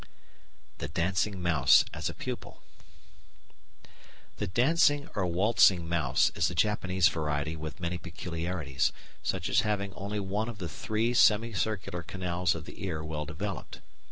The Dancing Mouse as a Pupil The dancing or waltzing mouse is a Japanese variety with many peculiarities, such as having only one of the three semicircular canals of the ear well developed.